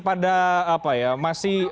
pada apa ya masih